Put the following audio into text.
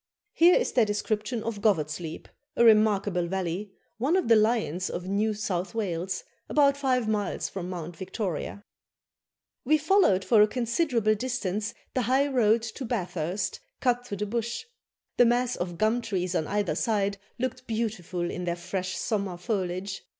Here is their description of Govat's Leap, a remarkable valley, one of the lions of New South Wales, about five miles from Mount Victoria: "We followed for a considerable distance the high road to Bathurst cut through the bush. The mass of gum trees on either side looked beautiful in their fresh summer foliage.